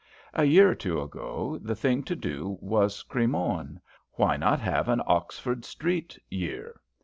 A year or two ago the thing to do was Cremorne; why not have an Oxford Street year?